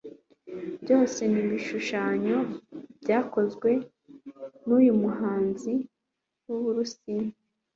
byose ni ibishushanyo byakozwe nuyu muhanzi wuburusiya